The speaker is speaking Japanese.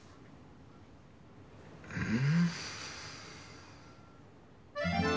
うん。